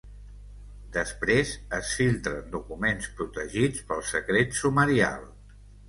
Després es filtren documents protegits pel secret sumarial.